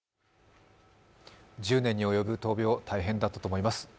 １０年に及ぶ闘病、大変だったと思います。